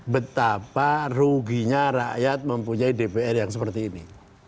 betapa ruginya rakyat mempunyai dpr yang seperti ini